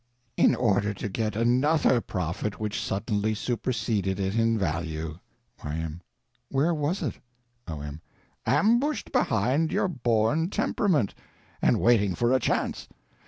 In order to get _another _profit which suddenly superseded it in value. Y.M. Where was it? O.M. Ambushed behind your born temperament, and waiting for a chance.